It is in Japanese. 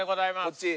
こっち？